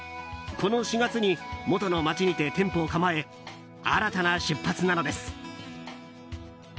この４月に元の町にて店舗を構え新たな出発なのです。